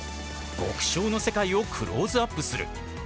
極小の世界をクローズアップする。